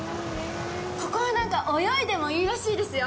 ここは、なんか泳いでもいいらしいですよ。